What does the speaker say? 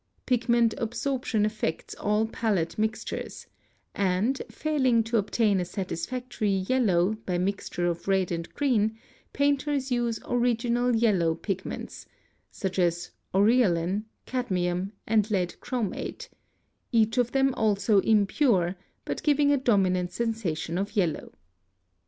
Pigment absorption affects all palette mixtures, and, failing to obtain a satisfactory yellow by mixture of red and green, painters use original yellow pigments, such as aureolin, cadmium, and lead chromate, each of them also impure but giving a dominant sensation of yellow.